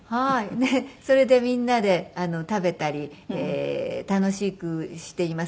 でそれでみんなで食べたり楽しくしています。